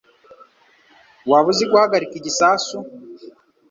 Waba uzi guhagarika igisasu?